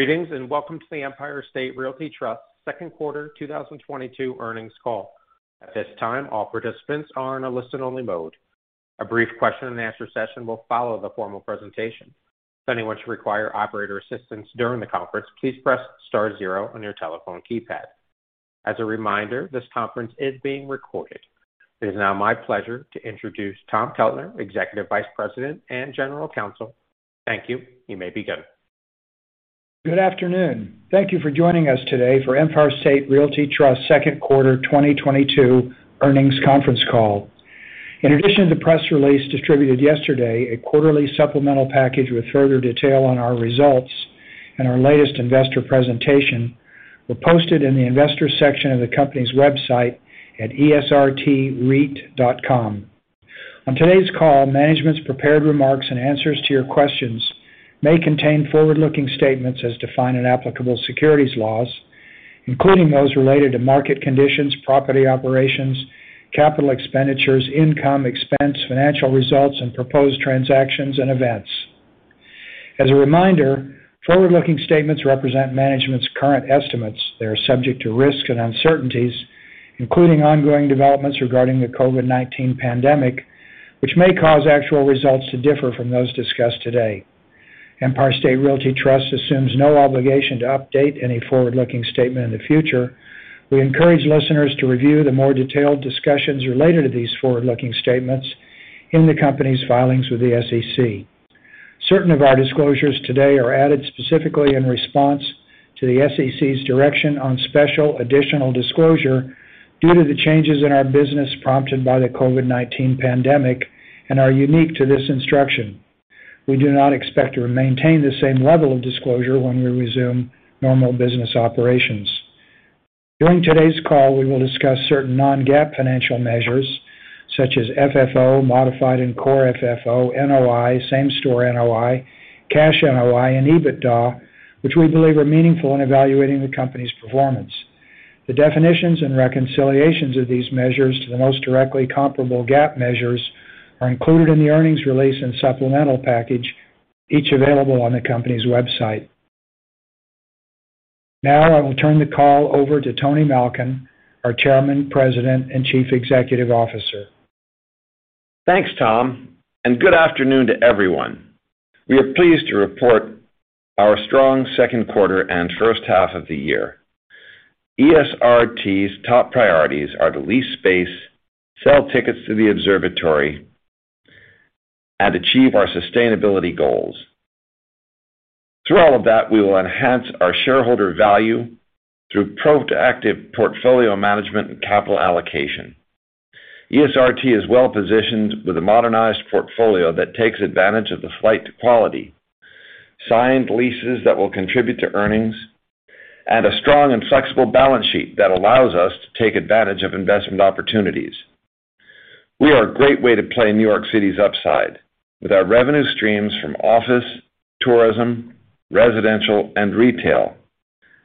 Greetings, and welcome to the Empire State Realty Trust Second Quarter 2022 Earnings Call. At this time, all participants are in a listen-only mode. A brief question and answer session will follow the formal presentation. If anyone should require operator assistance during the conference, please press star zero on your telephone keypad. As a reminder, this conference is being recorded. It is now my pleasure to introduce Tom Keltner, Executive Vice President and General Counsel. Thank you. You may begin. Good afternoon. Thank you for joining us today for Empire State Realty Trust Second Quarter 2022 Earnings Conference Call. In addition to the press release distributed yesterday, a quarterly supplemental package with further detail on our results and our latest investor presentation were posted in the investor section of the company's website at esrtreit.com. On today's call, management's prepared remarks and answers to your questions may contain forward-looking statements as defined in applicable securities laws, including those related to market conditions, property operations, capital expenditures, income, expense, financial results, and proposed transactions and events. As a reminder, forward-looking statements represent management's current estimates. They are subject to risks and uncertainties, including ongoing developments regarding the COVID-19 pandemic, which may cause actual results to differ from those discussed today. Empire State Realty Trust assumes no obligation to update any forward-looking statement in the future. We encourage listeners to review the more detailed discussions related to these forward-looking statements in the company's filings with the SEC. Certain of our disclosures today are added specifically in response to the SEC's direction on special additional disclosure due to the changes in our business prompted by the COVID-19 pandemic and are unique to this instruction. We do not expect to maintain the same level of disclosure when we resume normal business operations. During today's call, we will discuss certain non-GAAP financial measures such as FFO, modified and core FFO, NOI, same-store NOI, cash NOI, and EBITDA, which we believe are meaningful in evaluating the company's performance. The definitions and reconciliations of these measures to the most directly comparable GAAP measures are included in the earnings release and supplemental package, each available on the company's website. Now I will turn the call over to Tony Malkin, our Chairman, President, and Chief Executive Officer. Thanks, Tom, and good afternoon to everyone. We are pleased to report our strong second quarter and first half of the year. ESRT's top priorities are to lease space, sell tickets to the observatory, and achieve our sustainability goals. Through all of that, we will enhance our shareholder value through proactive portfolio management and capital allocation. ESRT is well positioned with a modernized portfolio that takes advantage of the flight to quality, signed leases that will contribute to earnings, and a strong and flexible balance sheet that allows us to take advantage of investment opportunities. We are a great way to play New York City's upside with our revenue streams from office, tourism, residential, and retail.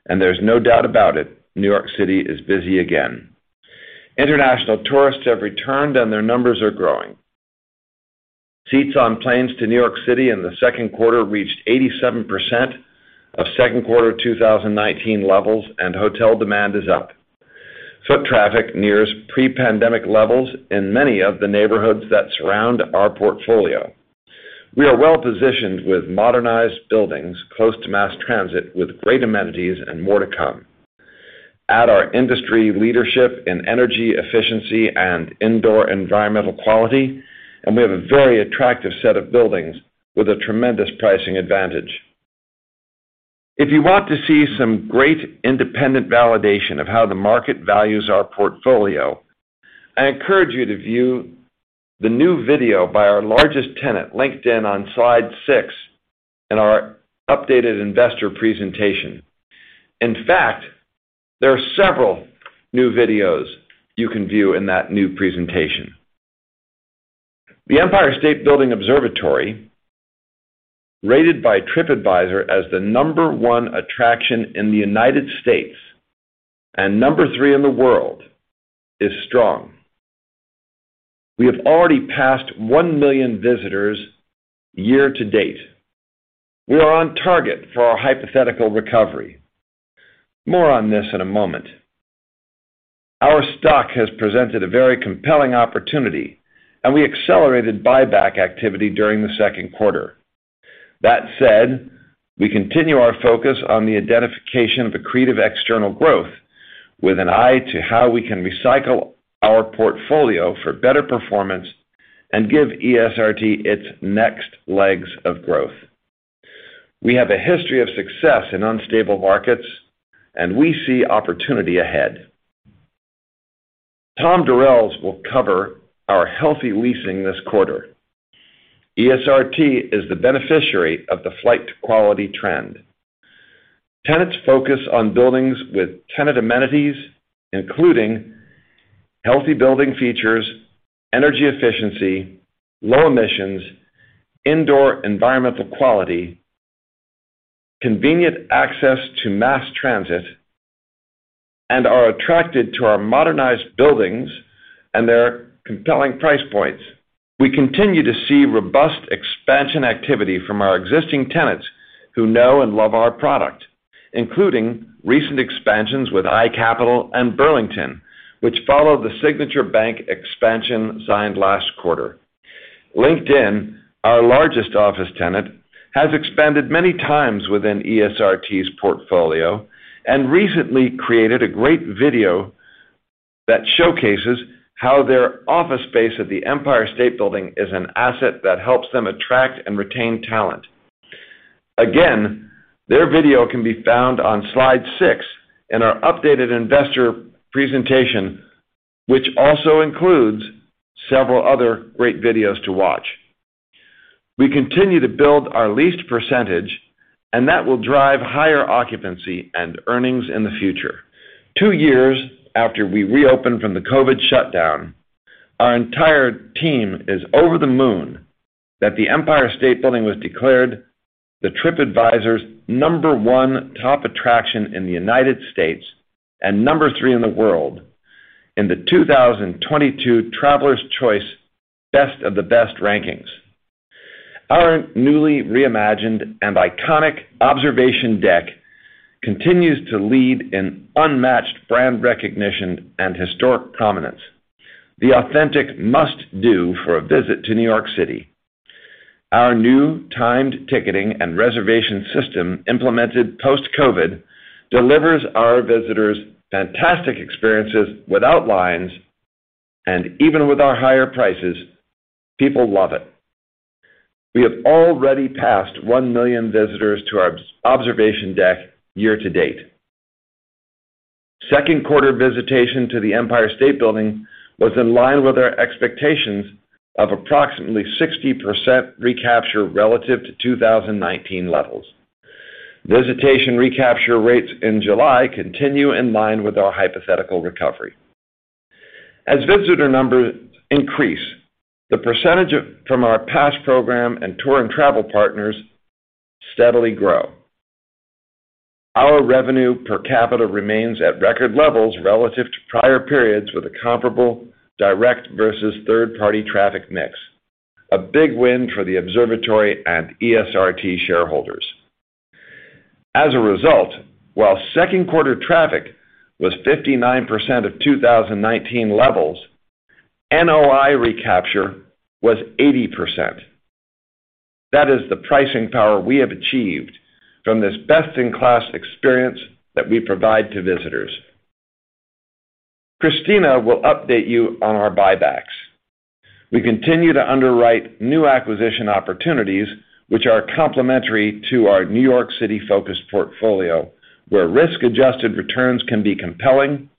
There's no doubt about it, New York City is busy again. International tourists have returned, and their numbers are growing. Seats on planes to New York City in the second quarter reached 87% of second quarter 2019 levels, and hotel demand is up. Foot traffic nears pre-pandemic levels in many of the neighborhoods that surround our portfolio. We are well positioned with modernized buildings close to mass transit with great amenities and more to come. Add our industry leadership in energy efficiency and indoor environmental quality, and we have a very attractive set of buildings with a tremendous pricing advantage. If you want to see some great independent validation of how the market values our portfolio, I encourage you to view the new video by our largest tenant, LinkedIn, on slide six in our updated investor presentation. In fact, there are several new videos you can view in that new presentation. The Empire State Building Observatory, rated by Tripadvisor as the number one attraction in the United States and number three in the world, is strong. We have already passed 1 million visitors year to date. We are on target for our hypothetical recovery. More on this in a moment. Our stock has presented a very compelling opportunity, and we accelerated buyback activity during the second quarter. That said, we continue our focus on the identification of accretive external growth with an eye to how we can recycle our portfolio for better performance and give ESRT its next legs of growth. We have a history of success in unstable markets, and we see opportunity ahead. Tom Durels will cover our healthy leasing this quarter. ESRT is the beneficiary of the flight to quality trend. Tenants focus on buildings with tenant amenities, including healthy building features, energy efficiency, low emissions, indoor environmental quality, convenient access to mass transit. Are attracted to our modernized buildings and their compelling price points. We continue to see robust expansion activity from our existing tenants who know and love our product, including recent expansions with iCapital and Burlington, which followed the Signature Bank expansion signed last quarter. LinkedIn, our largest office tenant, has expanded many times within ESRT's portfolio and recently created a great video that showcases how their office space at the Empire State Building is an asset that helps them attract and retain talent. Again, their video can be found on slide six in our updated investor presentation, which also includes several other great videos to watch. We continue to build our leased percentage, and that will drive higher occupancy and earnings in the future. Two years after we reopened from the COVID shutdown, our entire team is over the moon that the Empire State Building was declared the Tripadvisor's number one top attraction in the United States and number three in the world in the 2022 Travelers' Choice Best of the Best rankings. Our newly reimagined and iconic observation deck continues to lead in unmatched brand recognition and historic prominence. The authentic must-do for a visit to New York City. Our new timed ticketing and reservation system implemented post-COVID delivers our visitors fantastic experiences without lines, and even with our higher prices, people love it. We have already passed 1 million visitors to our observation deck year to date. Second quarter visitation to the Empire State Building was in line with our expectations of approximately 60% recapture relative to 2019 levels. Visitation recapture rates in July continue in line with our hypothetical recovery. As visitor numbers increase, the percentage from our pass program and tour and travel partners steadily grow. Our revenue per capita remains at record levels relative to prior periods with a comparable direct versus third-party traffic mix, a big win for the observatory and ESRT shareholders. As a result, while second quarter traffic was 59% of 2019 levels, NOI recapture was 80%. That is the pricing power we have achieved from this best-in-class experience that we provide to visitors. Christina will update you on our buybacks. We continue to underwrite new acquisition opportunities which are complementary to our New York City focused portfolio, where risk-adjusted returns can be compelling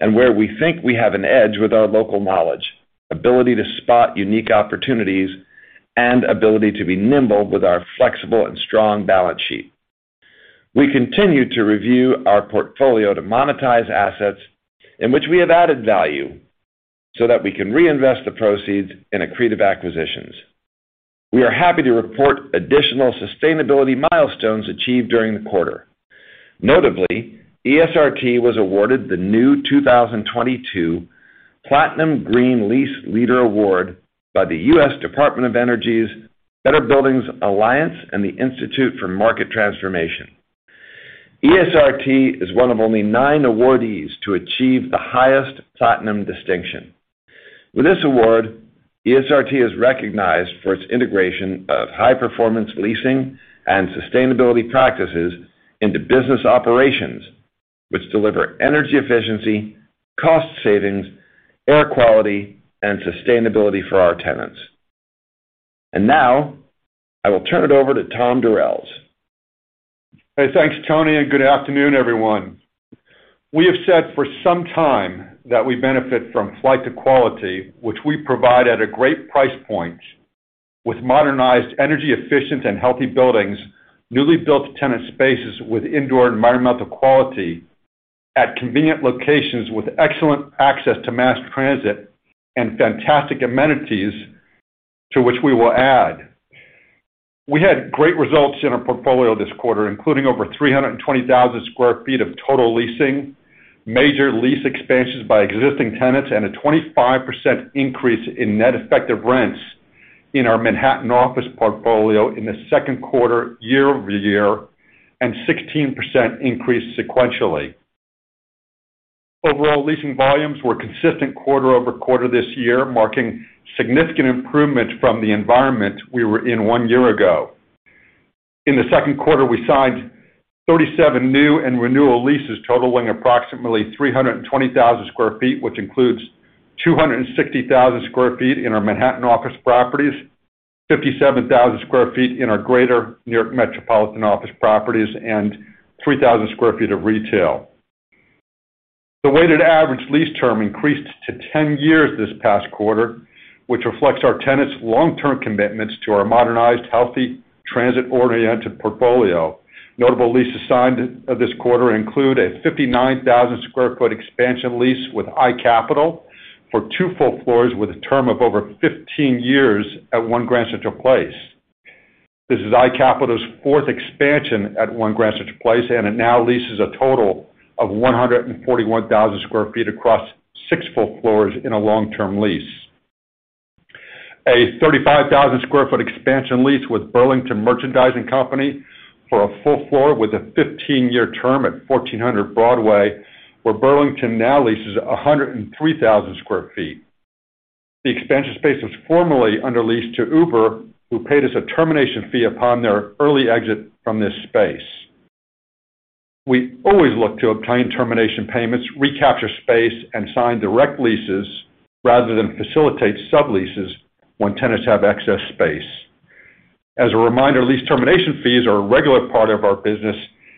and where we think we have an edge with our local knowledge, ability to spot unique opportunities, and ability to be nimble with our flexible and strong balance sheet. We continue to review our portfolio to monetize assets in which we have added value so that we can reinvest the proceeds in accretive acquisitions. We are happy to report additional sustainability milestones achieved during the quarter. Notably, ESRT was awarded the new 2022 Platinum Green Lease Leader award by the U.S. Department of Energy's Better Buildings Alliance and the Institute for Market Transformation. ESRT is one of only nine awardees to achieve the highest platinum distinction. With this award, ESRT is recognized for its integration of high-performance leasing and sustainability practices into business operations, which deliver energy efficiency, cost savings, air quality, and sustainability for our tenants. Now I will turn it over to Tom Durels. Hey, thanks, Tony, and good afternoon, everyone. We have said for some time that we benefit from flight to quality, which we provide at a great price point with modernized energy efficient and healthy buildings, newly built tenant spaces with indoor environmental quality at convenient locations with excellent access to mass transit and fantastic amenities to which we will add. We had great results in our portfolio this quarter, including over 320,000 sq ft of total leasing, major lease expansions by existing tenants, and a 25% increase in net effective rents in our Manhattan office portfolio in the second quarter year-over-year and 16% increase sequentially. Overall leasing volumes were consistent quarter-over-quarter this year, marking significant improvement from the environment we were in one year ago. In the second quarter, we signed 37 new and renewal leases totaling approximately 320,000 sq ft, which includes 260,000 sq ft in our Manhattan office properties, 57,000 sq ft in our greater New York metropolitan office properties, and 3,000 sq ft of retail. The weighted average lease term increased to 10 years this past quarter, which reflects our tenants' long-term commitments to our modernized, healthy, transit-oriented portfolio. Notable leases signed this quarter include a 59,000 sq ft expansion lease with iCapital for two full floors with a term of over 15 years at One Grand Central Place. This is iCapital's fourth expansion at One Grand Central Place, and it now leases a total of 141,000 sq ft across six full floors in a long-term lease. We signed a 35,000 sq ft expansion lease with Burlington Stores, Inc. for a full floor with a 15-year term at 1400 Broadway, where Burlington now leases 103,000 sq ft. The expansion space was formerly under lease to Uber, who paid us a termination fee upon their early exit from this space. We always look to obtain termination payments, recapture space, and sign direct leases rather than facilitate subleases when tenants have excess space. As a reminder, lease termination fees are a regular part of our business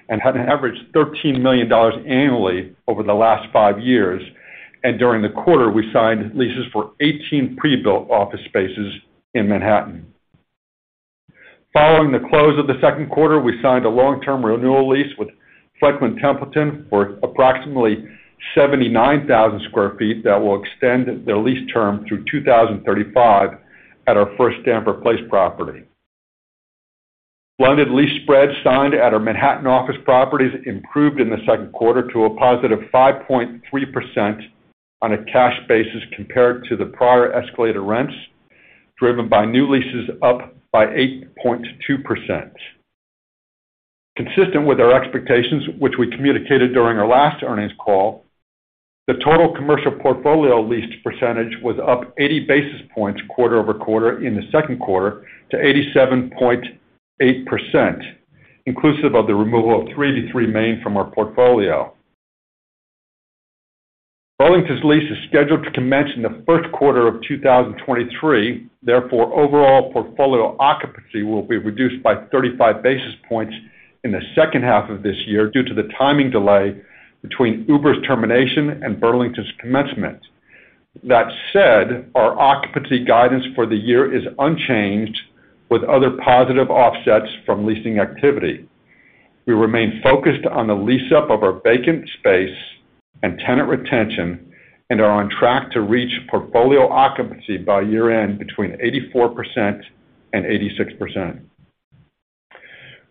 and have averaged $13 million annually over the last five years. During the quarter, we signed leases for 18 pre-built office spaces in Manhattan. Following the close of the second quarter, we signed a long-term renewal lease with Franklin Templeton for approximately 79,000 sq ft that will extend their lease term through 2035 at our First Stamford Place property. Blended lease spreads signed at our Manhattan office properties improved in the second quarter to a +5.3% on a cash basis compared to the prior escalator rents, driven by new leases up by 8.2%. Consistent with our expectations, which we communicated during our last earnings call, the total commercial portfolio leased percentage was up 80 basis points quarter-over-quarter in the second quarter to 87.8%, inclusive of the removal of 333 Main from our portfolio. Burlington's lease is scheduled to commence in the first quarter of 2023. Therefore, overall portfolio occupancy will be reduced by 35 basis points in the second half of this year due to the timing delay between Uber's termination and Burlington's commencement. That said, our occupancy guidance for the year is unchanged with other positive offsets from leasing activity. We remain focused on the lease up of our vacant space and tenant retention and are on track to reach portfolio occupancy by year-end between 84% and 86%.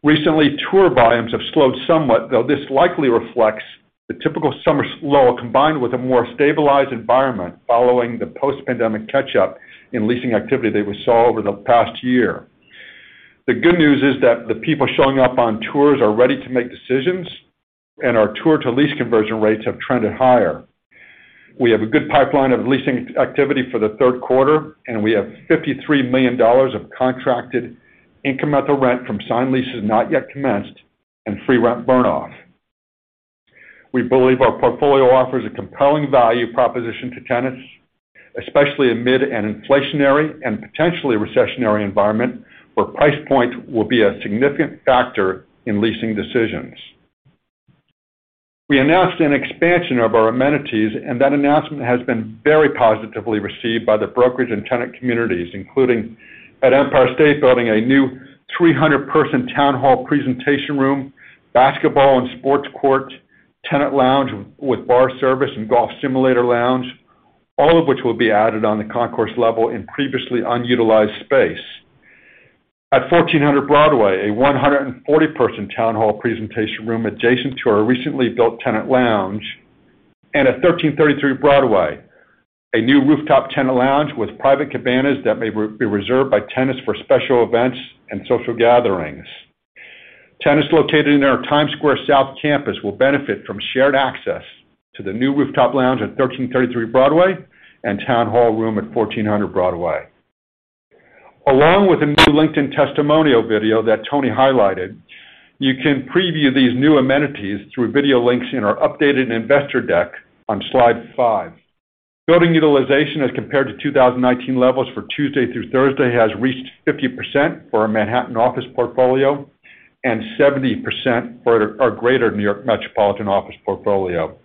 Recently, tour volumes have slowed somewhat, though this likely reflects the typical summer slow, combined with a more stabilized environment following the post-pandemic catch up in leasing activity that we saw over the past year. The good news is that the people showing up on tours are ready to make decisions, and our tour to lease conversion rates have trended higher. We have a good pipeline of leasing activity for the third quarter, and we have $53 million of contracted income at the rent from signed leases not yet commenced and free rent burn off. We believe our portfolio offers a compelling value proposition to tenants, especially amid an inflationary and potentially recessionary environment where price point will be a significant factor in leasing decisions. We announced an expansion of our amenities, and that announcement has been very positively received by the brokerage and tenant communities, including at Empire State Building, a new 300-person town hall presentation room, basketball and sports court, tenant lounge with bar service and golf simulator lounge, all of which will be added on the concourse level in previously unutilized space. At 1400 Broadway, a 140-person town hall presentation room adjacent to our recently built tenant lounge. At 1333 Broadway, a new rooftop tenant lounge with private cabanas that may be reserved by tenants for special events and social gatherings. Tenants located in our Times Square South campus will benefit from shared access to the new rooftop lounge at 1333 Broadway and town hall room at 1400 Broadway. Along with a new LinkedIn testimonial video that Tony highlighted, you can preview these new amenities through video links in our updated investor deck on slide five. Building utilization as compared to 2019 levels for Tuesday through Thursday has reached 50% for our Manhattan office portfolio and 70% for our greater New York metropolitan office portfolio.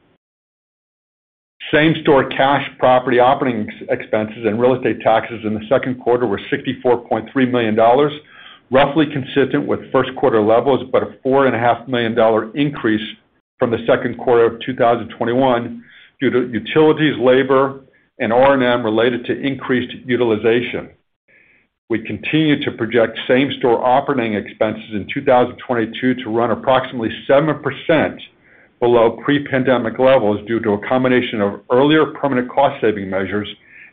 Same-store cash property operating expenses and real estate taxes in the second quarter were $64.3 million, roughly consistent with first quarter levels, but a $4.5 million increase from the second quarter of 2021 due to utilities, labor, and R&M related to increased utilization. We continue to project same-store operating expenses in 2022 to run approximately 7% below pre-pandemic levels due to a combination of earlier permanent cost-saving measures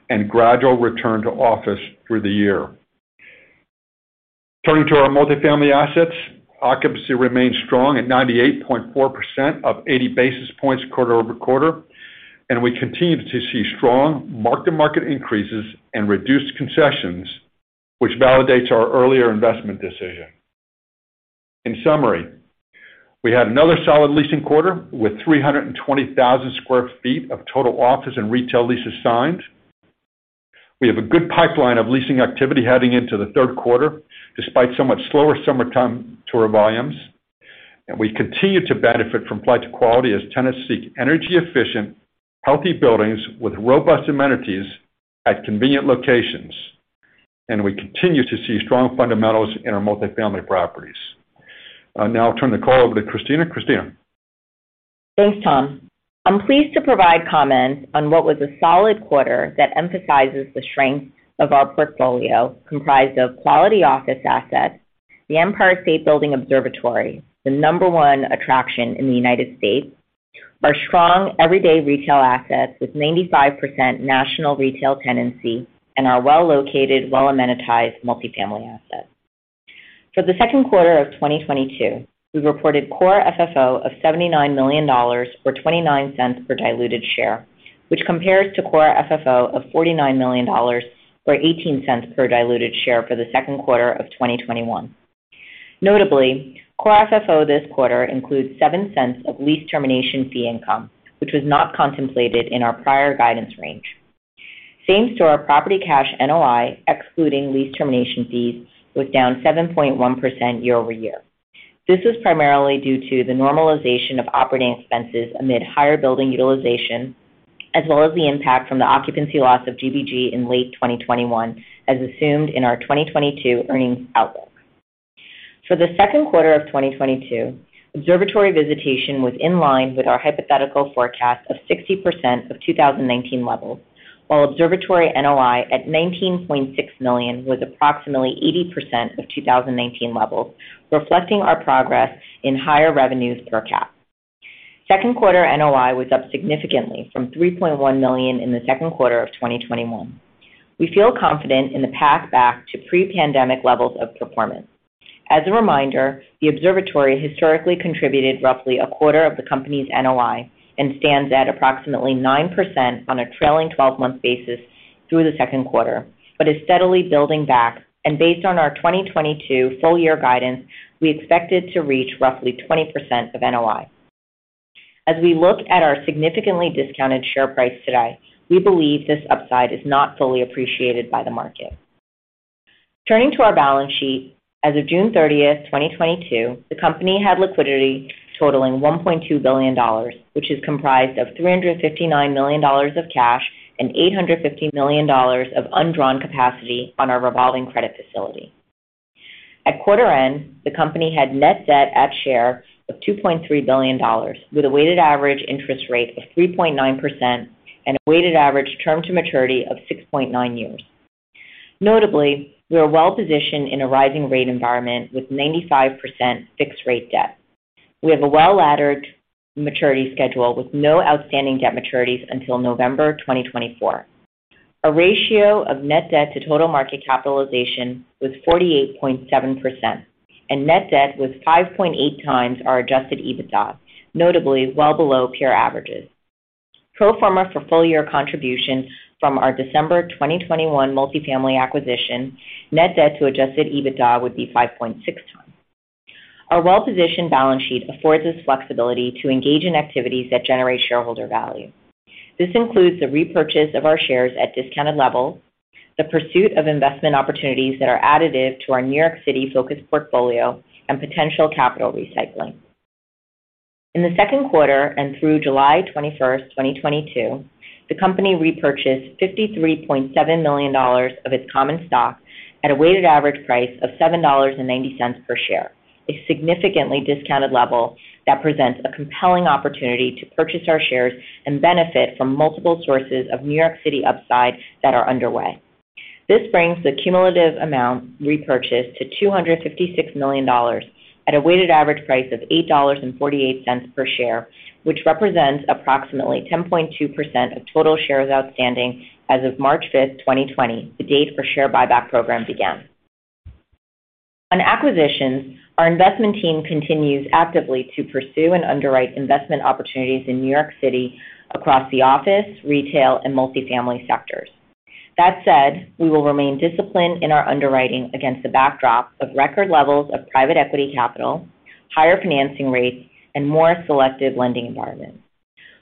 and gradual return to office through the year. Turning to our multifamily assets, occupancy remains strong at 98.4%, up 80 basis points quarter-over-quarter. We continue to see strong mark-to-market increases and reduced concessions, which validates our earlier investment decision. In summary, we had another solid leasing quarter with 320,000 sq ft of total office and retail leases signed. We have a good pipeline of leasing activity heading into the third quarter despite somewhat slower summertime tour volumes. We continue to benefit from flight to quality as tenants seek energy efficient, healthy buildings with robust amenities at convenient locations. We continue to see strong fundamentals in our multifamily properties. Now I'll turn the call over to Christina. Christina? Thanks, Tom. I'm pleased to provide comments on what was a solid quarter that emphasizes the strength of our portfolio, comprised of quality office assets, the Empire State Building Observatory, the number one attraction in the United States, our strong everyday retail assets with 95% national retail tenancy, and our well-located, well-amenitized multifamily assets. For the second quarter of 2022, we reported core FFO of $79 million, or $0.29 Per diluted share, which compares to core FFO of $49 million, or $0.18 Per diluted share for the second quarter of 2021. Notably, core FFO this quarter includes $0.07 Of lease termination fee income, which was not contemplated in our prior guidance range. Same-store property cash NOI, excluding lease termination fees, was down 7.1% year-over-year. This was primarily due to the normalization of operating expenses amid higher building utilization, as well as the impact from the occupancy loss of GBG in late 2021, as assumed in our 2022 earnings outlook. For the second quarter of 2022, observatory visitation was in line with our hypothetical forecast of 60% of 2019 levels, while observatory NOI at $19.6 million was approximately 80% of 2019 levels, reflecting our progress in higher revenues per cap. Second quarter NOI was up significantly from $3.1 million in the second quarter of 2021. We feel confident in the path back to pre-pandemic levels of performance. As a reminder, the observatory historically contributed roughly a quarter of the company's NOI and stands at approximately 9% on a trailing 12-month basis through the second quarter, but is steadily building back. Based on our 2022 full year guidance, we expect it to reach roughly 20% of NOI. As we look at our significantly discounted share price today, we believe this upside is not fully appreciated by the market. Turning to our balance sheet, as of June 30th, 2022, the company had liquidity totaling $1.2 billion, which is comprised of $359 million of cash and $850 million of undrawn capacity on our revolving credit facility. At quarter end, the company had net debt at share of $2.3 billion, with a weighted average interest rate of 3.9% and a weighted average term to maturity of 6.9 years. Notably, we are well positioned in a rising rate environment with 95% fixed rate debt. We have a well-laddered maturity schedule with no outstanding debt maturities until November 2024. Our ratio of net debt to total market capitalization was 48.7%, and net debt was 5.8x our Adjusted EBITDA, notably well below peer averages. Pro forma for full year contributions from our December 2021 multifamily acquisition, net debt to Adjusted EBITDA would be 5.6x. Our well-positioned balance sheet affords us flexibility to engage in activities that generate shareholder value. This includes the repurchase of our shares at discounted levels, the pursuit of investment opportunities that are additive to our New York City focused portfolio, and potential capital recycling. In the second quarter and through July 21st, 2022, the company repurchased $53.7 million of its common stock at a weighted average price of $7.90 per share, a significantly discounted level that presents a compelling opportunity to purchase our shares and benefit from multiple sources of New York City upside that are underway. This brings the cumulative amount repurchased to $256 million at a weighted average price of $8.48 per share, which represents approximately 10.2% of total shares outstanding as of March 5th, 2020, the date our share buyback program began. On acquisitions, our investment team continues actively to pursue and underwrite investment opportunities in New York City across the office, retail, and multifamily sectors. That said, we will remain disciplined in our underwriting against the backdrop of record levels of private equity capital, higher financing rates, and more selective lending environments.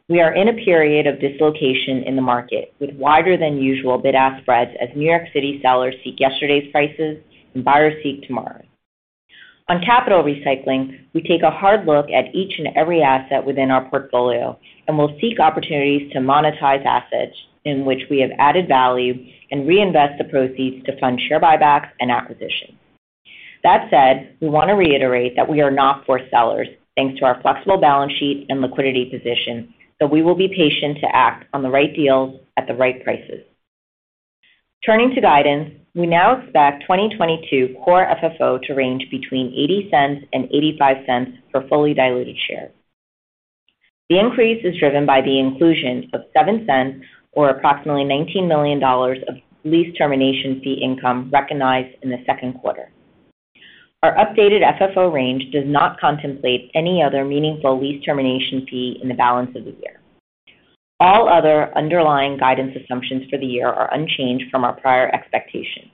We are in a period of dislocation in the market with wider than usual bid-ask spreads as New York City sellers seek yesterday's prices and buyers seek tomorrow's. On capital recycling, we take a hard look at each and every asset within our portfolio and will seek opportunities to monetize assets in which we have added value and reinvest the proceeds to fund share buybacks and acquisitions. That said, we want to reiterate that we are not for sellers thanks to our flexible balance sheet and liquidity position, so we will be patient to act on the right deals at the right prices. Turning to guidance, we now expect 2022 core FFO to range between $0.80 and $0.85 per fully diluted share. The increase is driven by the inclusion of $0.07 or approximately $19 million of lease termination fee income recognized in the second quarter. Our updated FFO range does not contemplate any other meaningful lease termination fee in the balance of the year. All other underlying guidance assumptions for the year are unchanged from our prior expectations.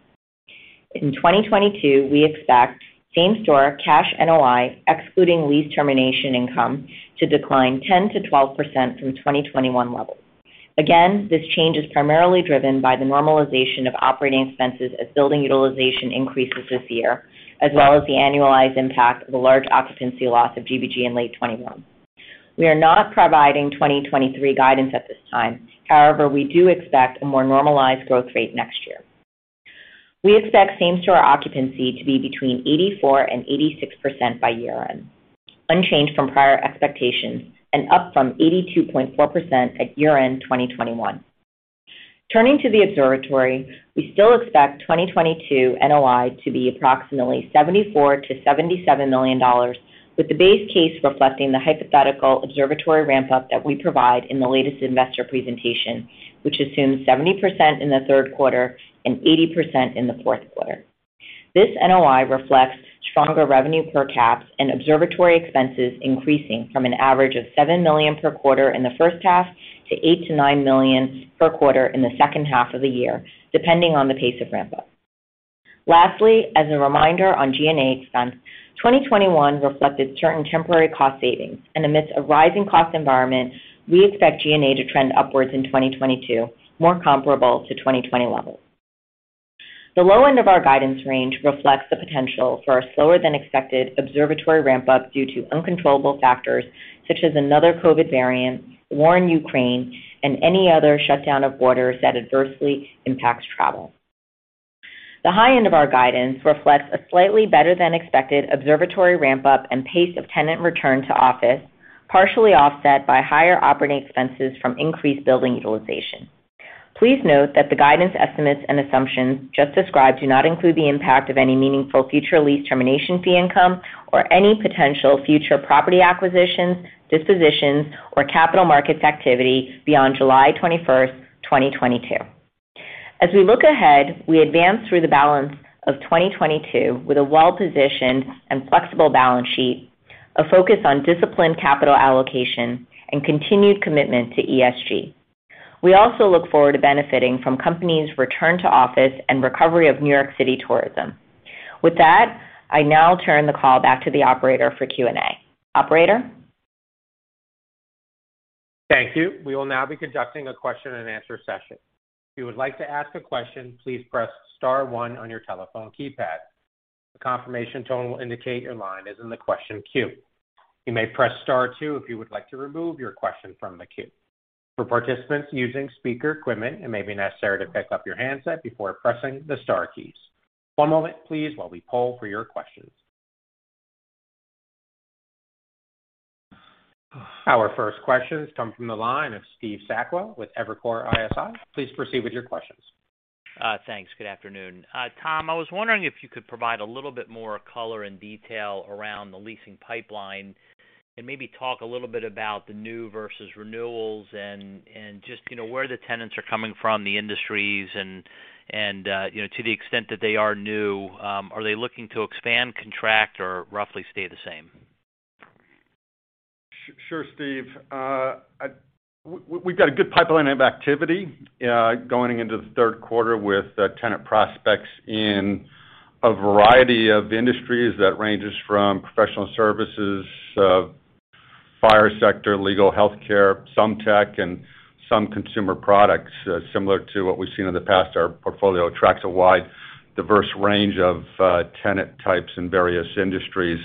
In 2022, we expect same-store cash NOI, excluding lease termination income, to decline 10%-12% from 2021 levels. Again, this change is primarily driven by the normalization of operating expenses as building utilization increases this year, as well as the annualized impact of the large occupancy loss of GBG in late 2021. We are not providing 2023 guidance at this time. However, we do expect a more normalized growth rate next year. We expect same store occupancy to be between 84%-86% by year-end, unchanged from prior expectations and up from 82.4% at year-end 2021. Turning to the observatory, we still expect 2022 NOI to be approximately $74 million-$77 million, with the base case reflecting the hypothetical observatory ramp up that we provide in the latest investor presentation, which assumes 70% in the third quarter and 80% in the fourth quarter. This NOI reflects stronger revenue per caps and observatory expenses increasing from an average of $7 million per quarter in the first half to $8 million-$9 million per quarter in the second half of the year, depending on the pace of ramp up. Lastly, as a reminder on G&A expense, 2021 reflected certain temporary cost savings and amidst a rising cost environment, we expect G&A to trend upwards in 2022 more comparable to 2020 levels. The low end of our guidance range reflects the potential for a slower than expected observatory ramp up due to uncontrollable factors such as another COVID variant, war in Ukraine, and any other shutdown of borders that adversely impacts travel. The high end of our guidance reflects a slightly better than expected observatory ramp up and pace of tenant return to office, partially offset by higher operating expenses from increased building utilization. Please note that the guidance estimates and assumptions just described do not include the impact of any meaningful future lease termination fee income or any potential future property acquisitions, dispositions, or capital markets activity beyond July 21st, 2022. As we look ahead, we advance through the balance of 2022 with a well-positioned and flexible balance sheet, a focus on disciplined capital allocation, and continued commitment to ESG. We also look forward to benefiting from companies' return to office and recovery of New York City tourism. With that, I now turn the call back to the operator for Q&A. Operator? Thank you. We will now be conducting a question and answer session. If you would like to ask a question, please press star one on your telephone keypad. A confirmation tone will indicate your line is in the question queue. You may press star two if you would like to remove your question from the queue. For participants using speaker equipment, it may be necessary to pick up your handset before pressing the star keys. One moment please while we poll for your questions. Our first question comes from the line of Steve Sakwa with Evercore ISI. Please proceed with your questions. Thanks. Good afternoon. Tom, I was wondering if you could provide a little bit more color and detail around the leasing pipeline and maybe talk a little bit about the new versus renewals and just, you know, where the tenants are coming from, the industries and you know, to the extent that they are new, are they looking to expand, contract or roughly stay the same? Sure, Steve. We've got a good pipeline of activity going into the third quarter with tenant prospects in a variety of industries that ranges from professional services, financial sector, legal, healthcare, some tech and some consumer products. Similar to what we've seen in the past, our portfolio attracts a wide diverse range of tenant types in various industries.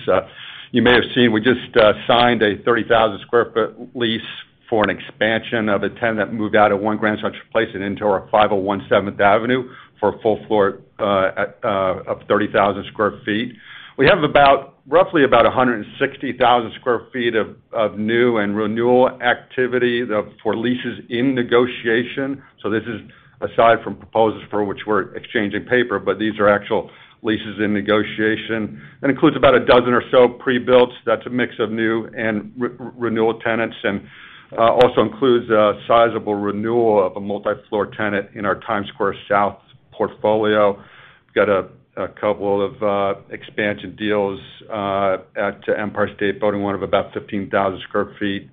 You may have seen, we just signed a 30,000 sq ft lease for an expansion of a tenant that moved out of One Grand Central Place and into our 501 Seventh Avenue for a full floor of 30,000 sq ft. We have about roughly 160,000 sq ft of new and renewal activity for leases in negotiation. This is aside from proposals for which we're exchanging paper, but these are actual leases in negotiation, and includes about a dozen or so prebuilt. That's a mix of new and re-renewal tenants and also includes a sizable renewal of a multi-floor tenant in our Times Square South portfolio. We've got a couple of expansion deals at Empire State Building, one of about 15,000 sq ft.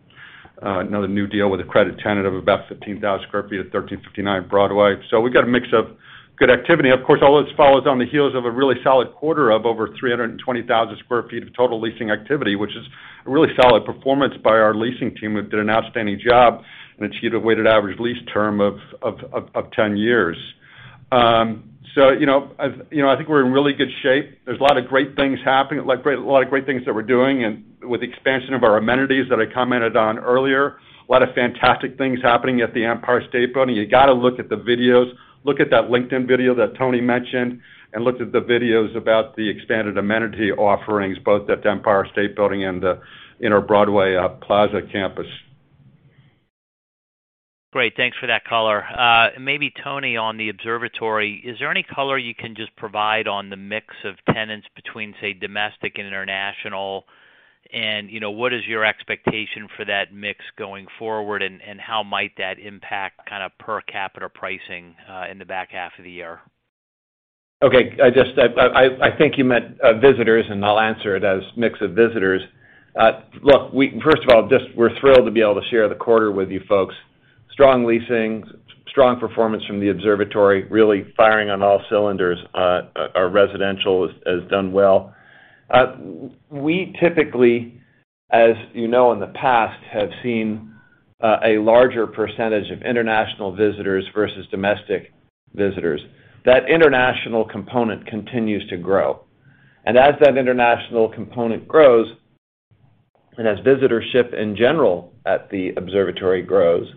Another new deal with a credit tenant of about 15,000 sq ft at 1359 Broadway. We've got a mix of good activity. Of course, all this follows on the heels of a really solid quarter of over 320,000 sq ft of total leasing activity, which is a really solid performance by our leasing team who've did an outstanding job and achieved a weighted average lease term of 10 years. So, you know, I think we're in really good shape. There's a lot of great things happening, a lot of great things that we're doing. With the expansion of our amenities that I commented on earlier, a lot of fantastic things happening at the Empire State Building. You got to look at the videos. Look at that LinkedIn video that Tony mentioned, and look at the videos about the expanded amenity offerings both at the Empire State Building and in our Broadway Plaza campus. Great. Thanks for that color. Maybe Tony, on the observatory, is there any color you can just provide on the mix of tenants between, say, domestic and international? You know, what is your expectation for that mix going forward and how might that impact kind of per capita pricing in the back half of the year? Okay. I think you meant visitors, and I'll answer it as mix of visitors. Look, first of all, we're thrilled to be able to share the quarter with you folks. Strong leasing, strong performance from the observatory, really firing on all cylinders. Our residential has done well. We typically, as you know, in the past, have seen a larger percentage of international visitors versus domestic visitors. That international component continues to grow. As that international component grows. As visitorship in general at the observatory grows,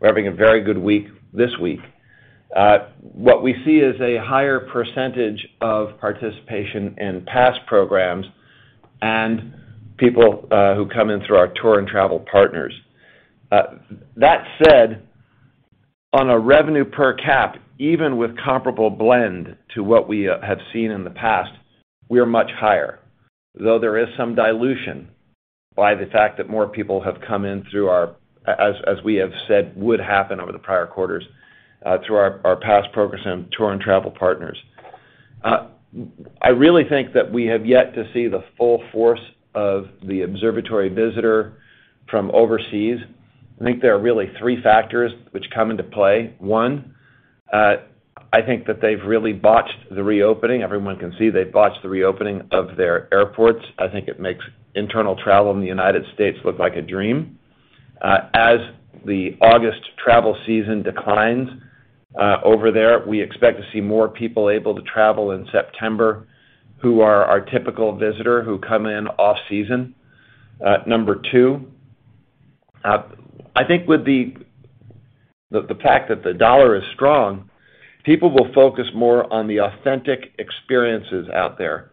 we're having a very good week this week. What we see is a higher percentage of participation in past programs and people who come in through our tour and travel partners. That said, on a revenue per cap, even with comparable blend to what we have seen in the past, we are much higher. Though there is some dilution by the fact that more people have come in through our, as we have said, would happen over the prior quarters, through our past programs and tour and travel partners. I really think that we have yet to see the full force of the observatory visitor from overseas. I think there are really three factors which come into play. One, I think that they've really botched the reopening. Everyone can see they've botched the reopening of their airports. I think it makes internal travel in the United States look like a dream. As the August travel season declines over there, we expect to see more people able to travel in September who are our typical visitors who come in off season. Number two, I think with the fact that the dollar is strong, people will focus more on the authentic experiences out there.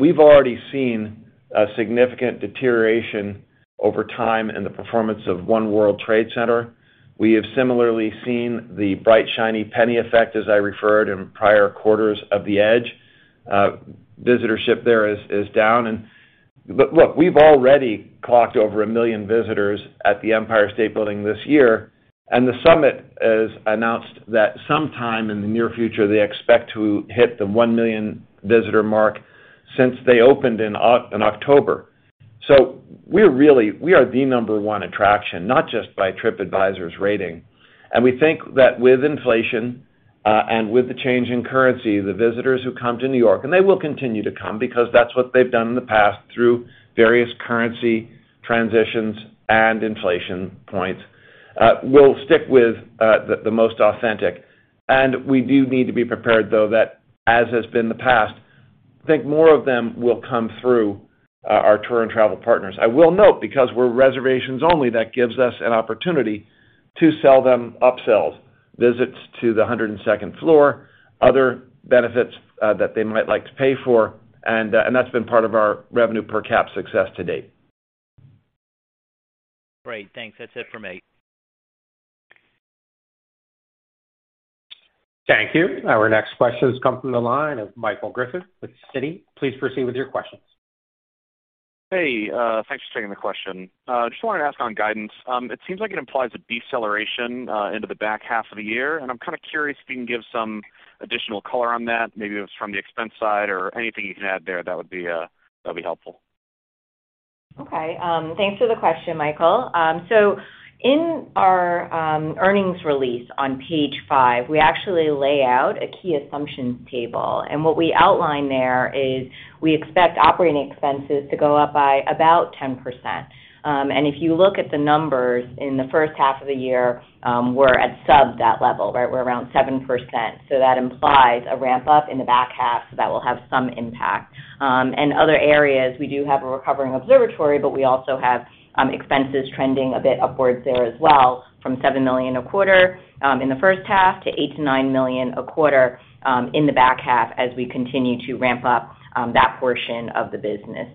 We've already seen a significant deterioration over time in the performance of One World Trade Center. We have similarly seen the bright, shiny penny effect, as I referred in prior quarters of the Edge. Visitorship there is down. Look, we've already clocked over 1 million visitors at the Empire State Building this year, and the Summit has announced that sometime in the near future, they expect to hit the 1 million visitor mark since they opened in October. We are the number one attraction, not just by Tripadvisor's rating. We think that with inflation and with the change in currency, the visitors who come to New York, and they will continue to come because that's what they've done in the past through various currency transitions and inflation points, will stick with the most authentic. We do need to be prepared, though, that as has been the past, I think more of them will come through our tour and travel partners. I will note, because we're reservations only, that gives us an opportunity to sell them upsells, visits to the 102nd floor, other benefits, that they might like to pay for. That's been part of our revenue per cap success to date. Great. Thanks. That's it for me. Thank you. Our next question has come from the line of Michael Griffin with Citi. Please proceed with your questions. Hey, thanks for taking the question. Just wanted to ask on guidance. It seems like it implies a deceleration into the back half of the year, and I'm kinda curious if you can give some additional color on that. Maybe it was from the expense side or anything you can add there that would be helpful. Okay. Thanks for the question, Michael. In our earnings release on page five, we actually lay out a key assumptions table, and what we outline there is we expect operating expenses to go up by about 10%. If you look at the numbers in the first half of the year, we're at sub that level, right? We're around 7%. That implies a ramp up in the back half. That will have some impact. In other areas, we do have a recovering observatory, but we also have expenses trending a bit upwards there as well from $7 million a quarter in the first half to $8 million-$9 million a quarter in the back half as we continue to ramp up that portion of the business.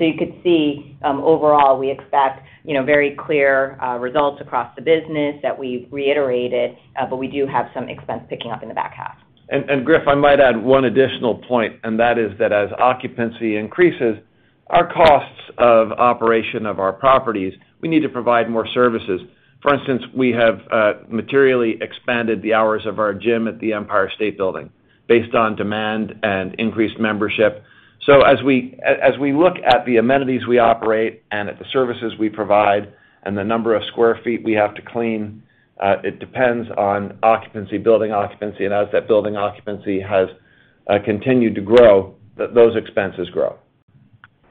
You could see overall, we expect, you know, very clear results across the business that we've reiterated, but we do have some expense picking up in the back half. Griff, I might add one additional point, and that is that as occupancy increases, our costs of operation of our properties, we need to provide more services. For instance, we have materially expanded the hours of our gym at the Empire State Building based on demand and increased membership. As we look at the amenities we operate and at the services we provide and the number of square feet we have to clean, it depends on occupancy, building occupancy. As that building occupancy has continued to grow, those expenses grow.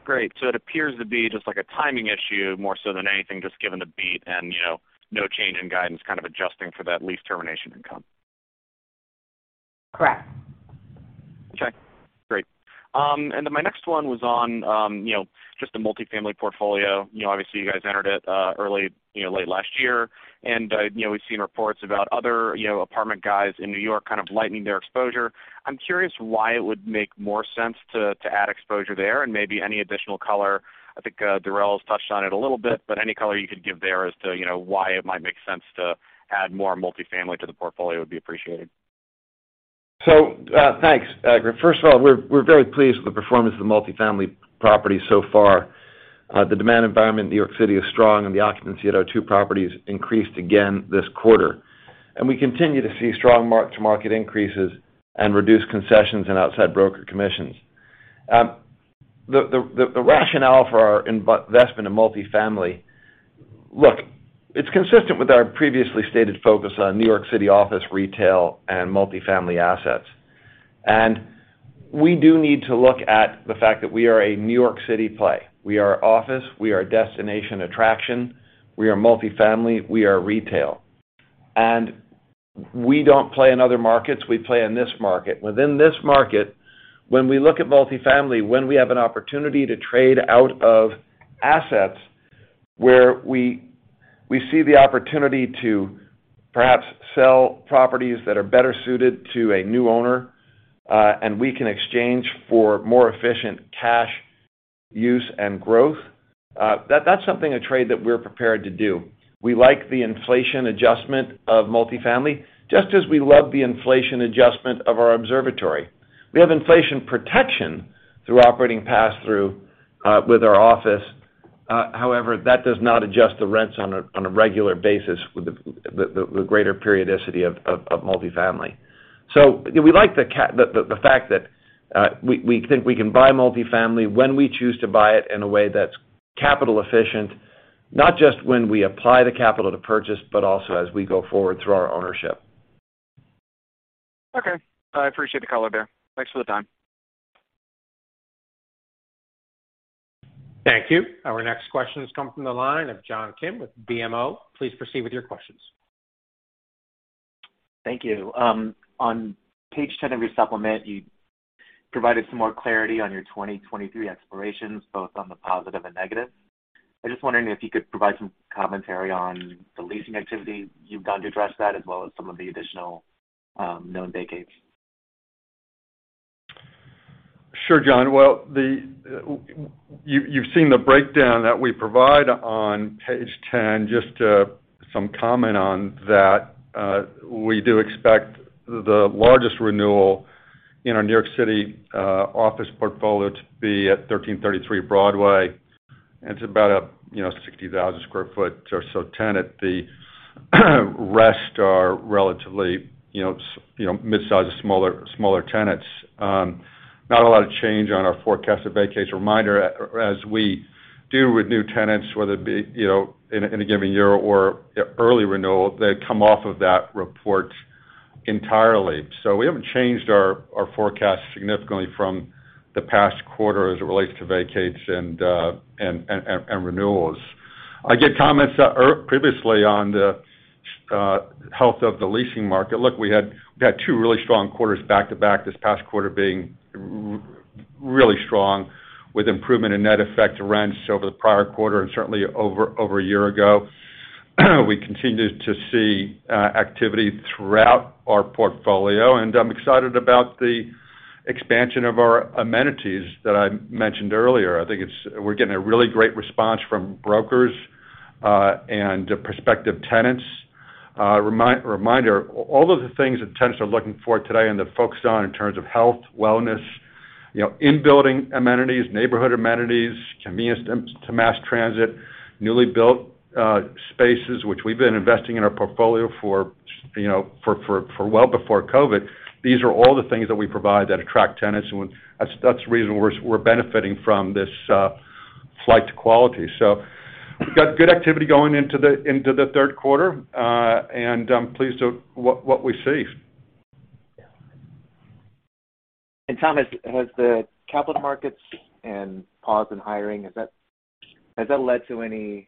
Great. It appears to be just like a timing issue more so than anything, just given the beat and, you know, no change in guidance, kind of adjusting for that lease termination income. Correct. Okay, great. Then my next one was on, you know, just the multifamily portfolio. You know, obviously, you guys entered it early, you know, late last year. You know, we've seen reports about other, you know, apartment guys in New York kind of lightening their exposure. I'm curious why it would make more sense to add exposure there and maybe any additional color. I think Durel's touched on it a little bit, but any color you could give there as to, you know, why it might make sense to add more multifamily to the portfolio would be appreciated. Thanks, Griffin. First of all, we're very pleased with the performance of the multifamily property so far. The demand environment in New York City is strong and the occupancy at our two properties increased again this quarter. We continue to see strong mark to market increases and reduce concessions and outside broker commissions. The rationale for our investment in multifamily, look, it's consistent with our previously stated focus on New York City office retail and multifamily assets. We do need to look at the fact that we are a New York City play. We are office, we are a destination attraction, we are multifamily, we are retail. We don't play in other markets. We play in this market. Within this market, when we look at multifamily, when we have an opportunity to trade out of assets where we see the opportunity to perhaps sell properties that are better suited to a new owner, and we can exchange for more efficient cash use and growth, that's something, a trade, that we're prepared to do. We like the inflation adjustment of multifamily, just as we love the inflation adjustment of our observatory. We have inflation protection through operating pass-through with our office. However, that does not adjust the rents on a regular basis with the greater periodicity of multifamily. We like the fact that we think we can buy multifamily when we choose to buy it in a way that's capital efficient, not just when we apply the capital to purchase, but also as we go forward through our ownership. Okay. I appreciate the color there. Thanks for the time. Thank you. Our next question has come from the line of John Kim with BMO. Please proceed with your questions. Thank you. On page 10 of your supplement, you provided some more clarity on your 2023 expirations, both on the positive and negative. I'm just wondering if you could provide some commentary on the leasing activity you've done to address that, as well as some of the additional, known vacates. Sure, John Kim. Well, you've seen the breakdown that we provide on page 10. Just to comment on that, we do expect the largest renewal in our New York City office portfolio to be at 1333 Broadway. It's about, you know, 60,000 sq ft or so tenant. The rest are relatively, you know, mid-size to smaller tenants. Not a lot of change on our forecast of vacates. Reminder, as we do with new tenants, whether it be, you know, in a given year or early renewal, they come off of that report entirely. We haven't changed our forecast significantly from the past quarter as it relates to vacates and renewals. I gave comments previously on the health of the leasing market. Look, we had two really strong quarters back-to-back, this past quarter being really strong with improvement in net effective rents over the prior quarter and certainly over a year ago. We continue to see activity throughout our portfolio, and I'm excited about the expansion of our amenities that I mentioned earlier. I think we're getting a really great response from brokers and prospective tenants. Reminder, all of the things that tenants are looking for today and they're focused on in terms of health, wellness, you know, in-building amenities, neighborhood amenities, convenience to mass transit, newly built spaces, which we've been investing in our portfolio for, you know, well before COVID. These are all the things that we provide that attract tenants, and that's the reason we're benefiting from this flight to quality. We've got good activity going into the third quarter, and I'm pleased with what we see. Tom, has the capital markets and pause in hiring, has that led to any,